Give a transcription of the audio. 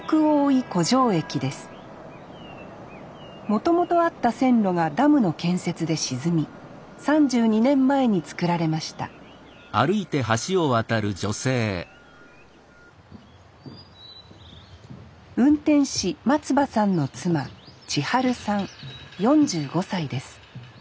もともとあった線路がダムの建設で沈み３２年前につくられました運転士松葉さんの妻千晴さん４５歳です。